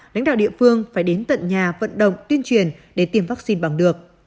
lãnh đạo địa phương phải đến tận nhà vận động tuyên truyền để tiêm vaccine bằng được